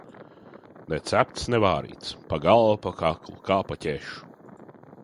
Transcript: Ne cepts, ne vārīts; pa galvu, pa kaklu; kā pa ķešu.